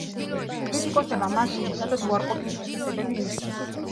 კრიტიკოსებმა მას ძირითადად უარყოფითი შეფასებები მისცეს.